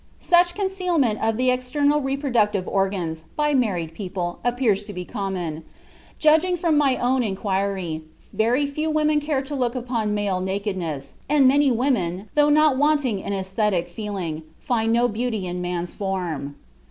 Such concealment of the external reproductive organs, by married people, appears to be common. Judging from my own inquiry, very few women care to look upon male nakedness, and many women, though not wanting in esthetic feeling, find no beauty in man's form.